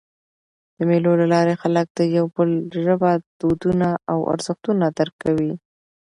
د مېلو له لاري خلک د یو بل ژبه، دودونه او ارزښتونه درک کوي.